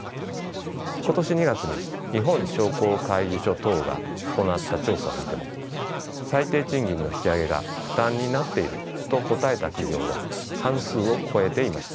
今年２月に日本商工会議所等が行った調査を見ても最低賃金の引き上げが「負担になっている」と答えた企業は半数を超えていました。